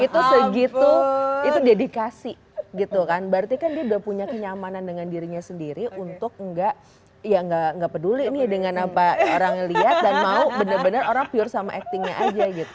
itu segitu itu dedikasi gitu kan berarti kan dia udah punya kenyamanan dengan dirinya sendiri untuk nggak ya nggak peduli nih dengan apa orang ngelihat dan mau bener bener orang pure sama actingnya aja gitu